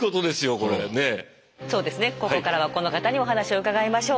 ここからはこの方にお話を伺いましょう。